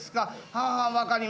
はあはあ分かりました。